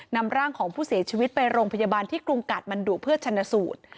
นำร่างของผู้เสียชีวิตไปโรงพยาบาลที่กรุงกาดมันดุเพื่อชนะสูตร